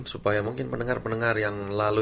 supaya mungkin pendengar pendengar yang lalu